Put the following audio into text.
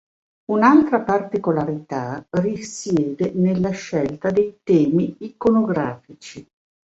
Un'altra particolarità risiede nella scelta dei temi iconografici.